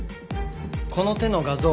この手の画像